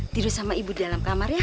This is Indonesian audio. tidur sama ibu di dalam kamar ya